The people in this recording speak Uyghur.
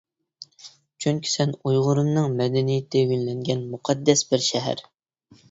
چۈنكى سەن ئۇيغۇرۇمنىڭ مەدەنىيىتى گۈللەنگەن مۇقەددەس بىر شەھەر!